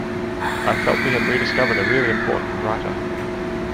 I felt we had rediscovered a really important writer.